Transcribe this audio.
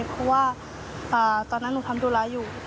เพราะว่าตอนนั้นหนูทำธุระอยู่